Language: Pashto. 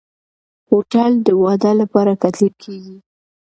هوټل د واده لپاره کتل کېږي.